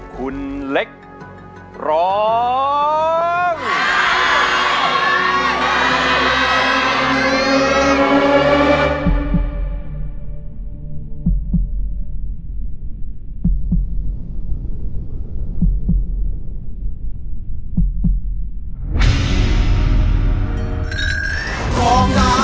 คุณเล็กร้อง